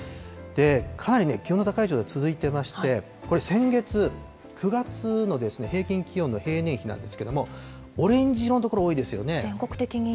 かなり気温の高い状態、続いていまして、これ、先月・９月の平均気温の平年比なんですけれども、オレンジ色の所全国的に。